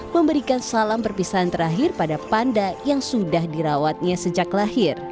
memberikan salam perpisahan terakhir pada panda yang sudah dirawatnya sejak lahir